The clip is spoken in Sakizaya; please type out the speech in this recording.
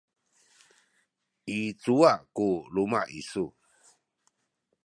i cuwa ku luma’ isu?